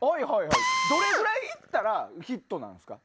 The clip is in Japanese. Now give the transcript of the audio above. どれくらいいったらヒットなんですか？